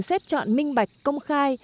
xét chọn minh bạch công khai